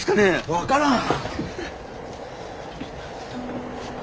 分からん！